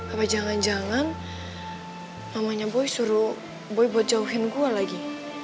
apa jangan jangan mamanya boy suruh boy buat jauhin gue lagi